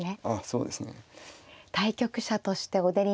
そうですね